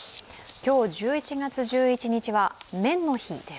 今日、１１月１１日は麺の日です